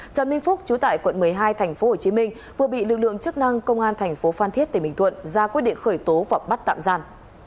trần minh phúc chú tại quận một mươi hai tp hcm vừa bị lực lượng chức năng công an tp phan thiết tp thuận ra quyết định khởi tố và bắt tạm giam